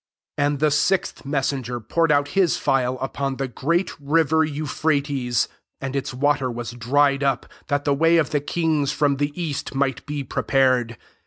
12 And the sixth meaaenger poured out his phial upon the great river Euphrates; and its water was dried up, that the way of the kings from the east might be prepared.